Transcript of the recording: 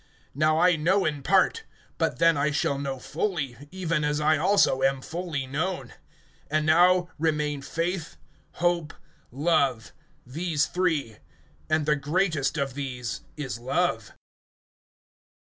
Now I know in part; but then I shall know fully, even as I also am fully known. (13)And now remain faith, hope, love, these three; and the greatest of these is love.